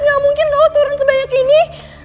nggak mungkin no turun sebanyak ini